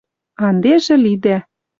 А ӹндежӹ лидӓ